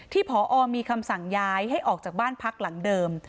ผอมีคำสั่งย้ายให้ออกจากบ้านพักหลังเดิม